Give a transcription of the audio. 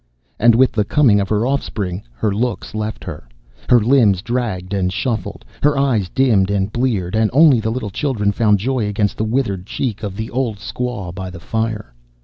And with the coming of her offspring her looks left her. Her limbs dragged and shuffled, her eyes dimmed and bleared, and only the little children found joy against the withered cheek of the old squaw by the fire.